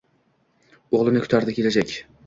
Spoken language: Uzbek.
Oʼgʼilni kutardi kelajak.